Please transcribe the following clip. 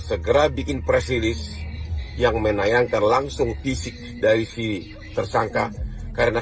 segera bikin presidis yang menayangkan langsung fisik dari si tersangka karena